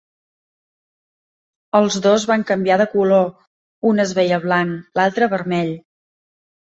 Els dos van canviar de color: un es veia blanc, l'altre vermell.